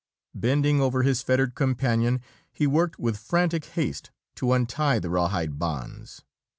Bending over his fettered companion, he worked with frantic haste to untie the rawhide bonds.